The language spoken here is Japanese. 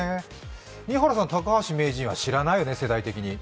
新原さん、高橋名人は知らないよね、世代的に。